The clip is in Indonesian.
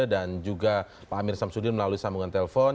juga pak amir samsudin melalui sambungan telepon